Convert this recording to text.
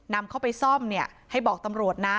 นำเข้าไปซ่อมเนี่ยให้บอกตำรวจนะ